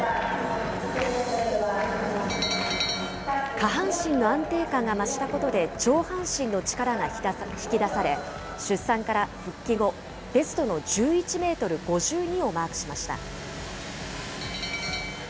下半身の安定感が増したことで上半身の力が引き出され、出産から復帰後、ベストの１１メートル５２をマークしました。